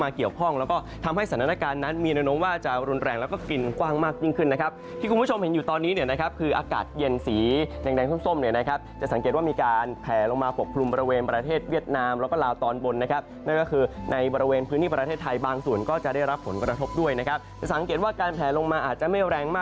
การนั้นมีอนุมว่าจะรุนแรงแล้วก็กลิ่นกว้างมากยิ่งขึ้นนะครับที่คุณผู้ชมเห็นอยู่ตอนนี้เนี่ยนะครับคืออากาศเย็นสีแดงส้มเนี่ยนะครับจะสังเกตว่ามีการแผลลงมาปกปรุงบริเวณประเทศเวียดนามแล้วก็ลาวตอนบนนะครับนั่นก็คือในบริเวณพื้นที่ประเทศไทยบางส่วนก็จะได้รับผลกระทบด้วยนะครับจะ